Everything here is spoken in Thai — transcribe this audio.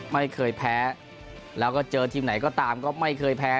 ไม่เคยแพ้แล้วก็เจอทีมไหนก็ตามก็ไม่เคยแพ้